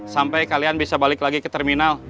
sampai kalian bisa balik lagi ke terminal